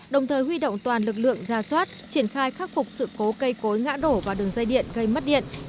đồng thời huy động toàn lực lượng ra soát triển khai khắc phục sự cố cây cối ngã đổ vào đường dây điện gây mất điện